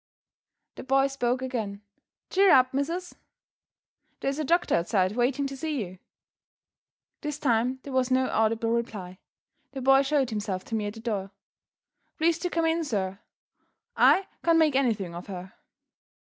The boy spoke again. "Cheer up, missus. There's a doctor outside waiting to see you." This time there was no audible reply. The boy showed himself to me at the door. "Please to come in, sir. I can't make anything of her."